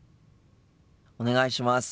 お願いします。